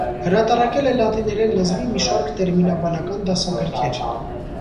Հրատարակել է լատիներեն լեզվի մի շարք տերմինաբանական դասագրքեր։